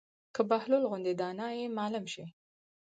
که بهلول غوندې دانا ئې معلم شي